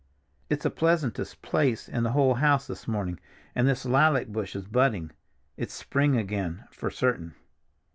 It's the pleasantest place in the whole house this morning, and this lilac bush is budding. It's spring again, for certain."